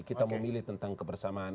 kita memilih tentang kebersamaan